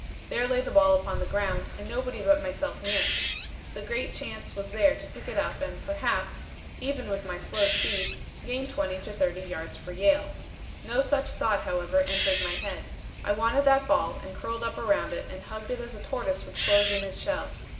There lay the ball on the ground, and nobody but myself near it. The great chance was there to pick it up and perhaps, even with my slow speed, gain 20 to 30 yards for Yale. No such thought, however, entered my head. I wanted that ball and curled up around it and hugged it as a tortoise would close in its shell.